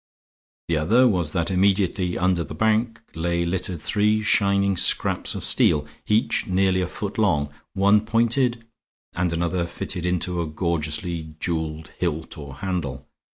The other was that immediately under the bank lay littered three shining scraps of steel, each nearly a foot long, one pointed and another fitted into a gorgeously jeweled hilt or handle.